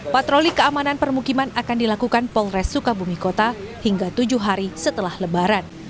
patroli keamanan permukiman akan dilakukan polres sukabumi kota hingga tujuh hari setelah lebaran